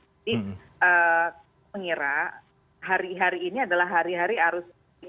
jadi saya mengira hari hari ini adalah hari hari harus